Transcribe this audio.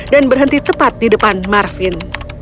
dan berhenti tepat di depan marvin